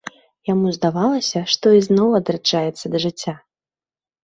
Яму здавалася, што ізноў адраджаецца да жыцця…